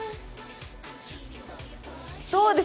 どうです？